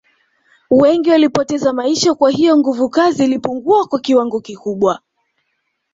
Wengi walipoteza maisha kwa hiyo nguvukazi ilipungua kwa kiwango kikubwa